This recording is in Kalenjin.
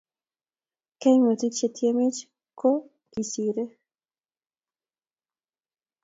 kaimutik che tiemech ko kisire